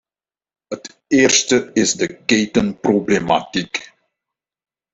Het eerste is de ketenproblematiek.